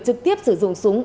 trực tiếp sử dụng súng